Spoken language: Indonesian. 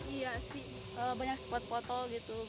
iya sih banyak spot foto gitu